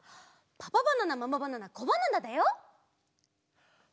パパバナナママバナナコバナナ！